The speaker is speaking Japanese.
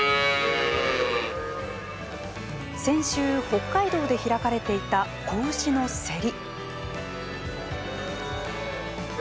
先週、北海道で開かれていた子牛の競り。